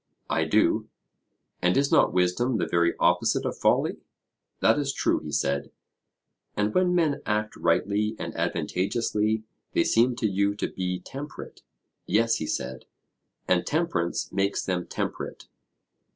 I do. And is not wisdom the very opposite of folly? That is true, he said. And when men act rightly and advantageously they seem to you to be temperate? Yes, he said. And temperance makes them temperate?